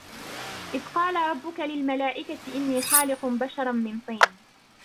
إِذْ قَالَ رَبُّكَ لِلْمَلَائِكَةِ إِنِّي خَالِقٌ بَشَرًا مِنْ طِينٍ